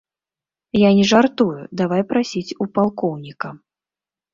Я не жартую, давай прасіць у палкоўніка.